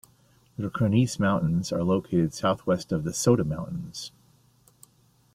The Cronese Mountains are located southwest of the Soda Mountains.